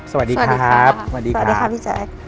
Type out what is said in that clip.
สวัสดีครับสวัสดีครับสวัสดีค่ะพี่แจ๊ค